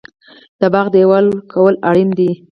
د باغ دیوال کول اړین دي؟